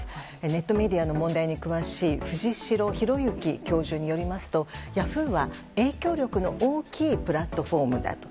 ネットメディアの問題に詳しい藤代裕之教授によりますとヤフーは影響力の大きいプラットフォームだと。